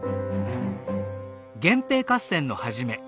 源平合戦のはじめ